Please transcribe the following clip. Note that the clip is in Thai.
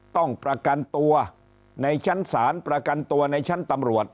ต้องประกันตัวในชั้นศาลประกันตัวในชั้นตำรวจ